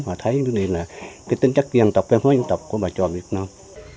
họ thấy cái tính chất dân tộc và hối dân tộc của bà chòa việt nam